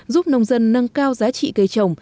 giúp nông dân nâng cao giá trị cây trồng